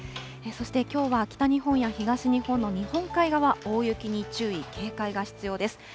そしてきょうは北日本や東日本の日本海側、大雪に注意、警戒が必要です。